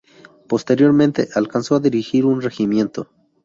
Posteriormente, alcanzó a dirigir un regimiento.